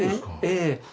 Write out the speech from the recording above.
ええ。